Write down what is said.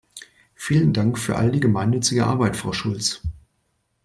Vielen Dank für all die gemeinnützige Arbeit, Frau Schulz!